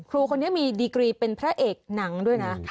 ครูคนนี้มีดีกรีเป็นพระเอกหนังด้วยนะ